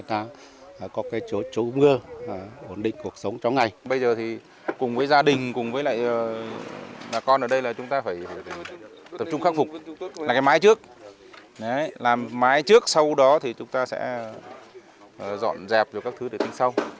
tập trung khắc phục là cái mái trước làm mái trước sau đó thì chúng ta sẽ dọn dẹp cho các thứ để tính sau